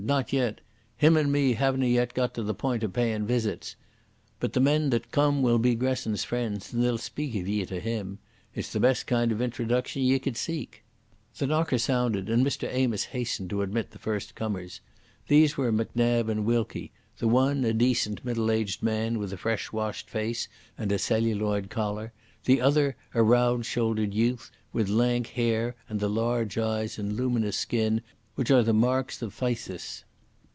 "Not yet. Him and me havena yet got to the point o' payin' visits. But the men that come will be Gresson's friends and they'll speak of ye to him. It's the best kind of introduction ye could seek." The knocker sounded, and Mr Amos hastened to admit the first comers. These were Macnab and Wilkie: the one a decent middle aged man with a fresh washed face and a celluloid collar, the other a round shouldered youth, with lank hair and the large eyes and luminous skin which are the marks of phthisis.